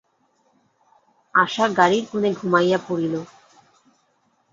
আশা গাড়ির কোণে ঘুমাইয়া পড়িল।